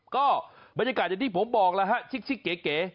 ก็บรรยากาศที่ผมบอกล่ะฮะชิคเก๋